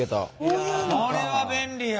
これは便利や。